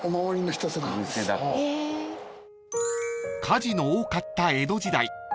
［火事の多かった江戸時代］